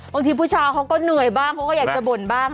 บางทีผู้ชายเขาก็เหนื่อยบ้างเขาก็อยากจะบ่นบ้าง